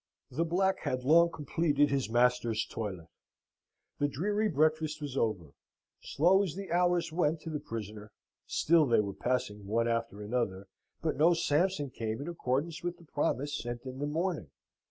The black had long completed his master's toilet: the dreary breakfast was over: slow as the hours went to the prisoner, still they were passing one after another, but no Sampson came in accordance with the promise sent in the morning.